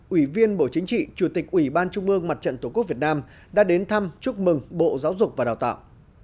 ủy viên bộ chính trị chủ tịch ủy ban trung mương mặt trận tổ quốc việt nam đã đến thăm chúc mừng bộ giáo dục và đào tạo